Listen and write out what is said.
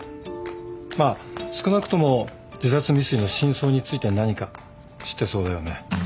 まあ少なくとも自殺未遂の真相について何か知ってそうだよね。